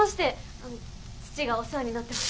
あの父がお世話になってます。